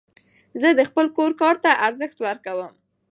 زه د خپل کور کار ته ارزښت ورکوم.